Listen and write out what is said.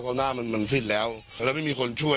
เพราะหน้ามันมันสิ้นแล้วแล้วไม่มีคนช่วย